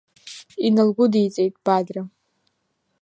Иналгәыдиҵеит Бадра.